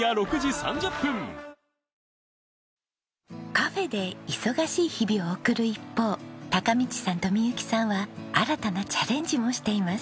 カフェで忙しい日々を送る一方貴道さんと未佑紀さんは新たなチャレンジもしています。